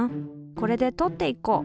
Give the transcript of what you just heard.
これでとっていこう。